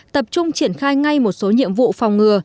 tập trung triển khai ngay một số nhiệm vụ phòng ngừa